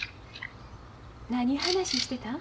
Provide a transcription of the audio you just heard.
何話してたん？